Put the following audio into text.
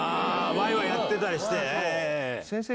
ワイワイやってたりして。